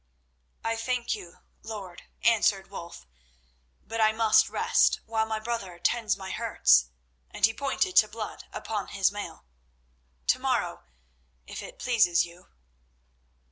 "I thank you, lord," answered Wulf, "but I must rest while my brother tends my hurts," and he pointed to blood upon his mail. "To morrow, if it pleases you."